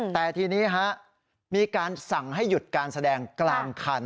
แต่ทีนี้มีการสั่งให้หยุดการแสดงกลางคัน